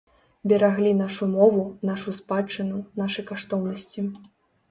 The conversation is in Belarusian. Бераглі нашу мову, нашу спадчыну, нашы каштоўнасці.